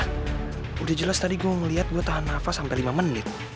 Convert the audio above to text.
hah udah jelas tadi gue ngeliat gue tahan nafas sampe lima menit